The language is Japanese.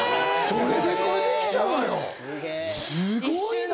それでこれできちゃうのよ、すごいな。